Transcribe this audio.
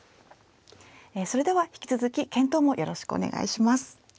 それでは引き続き検討もよろしくお願いします。